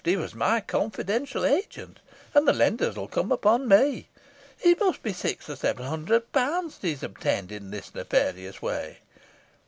He was my confidential agent, and the lenders will come upon me. It must be six or seven hundred pounds that he has obtained in this nefarious way.